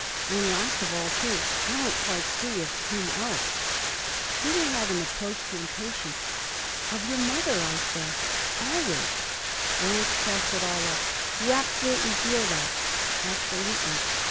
And last of all too. I don't quite see of whom else.' Peter had an approach to impatience. 'Of your mother, I say always.' Lance cast it all up. 'You absolutely feel that?' 'Absolutely.'